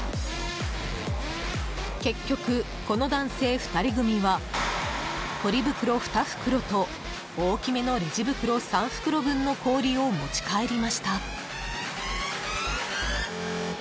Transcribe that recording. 結局この男性２人組はポリ袋２袋と大きめのレジ袋３袋分の氷を持ち帰りました。